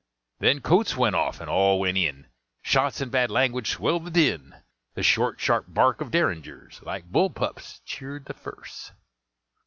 Then coats went off, and all went in; Shots and bad language swelled the din; The short, sharp bark of Derringers, Like bull pups, cheered the furse.